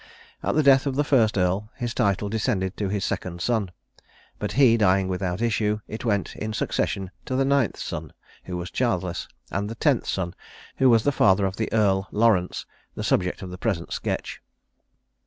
At the death of the first earl, his title descended to his second son; but he dying without issue, it went in succession to the ninth son, who was childless, and the tenth son, who was the father of the earl, Laurence, the subject of the present sketch.